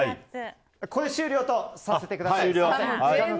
これで終了とさせてください。